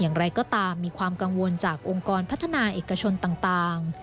อย่างไรก็ตามมีความกังวลจากองค์กรพัฒนาเอกชนต่าง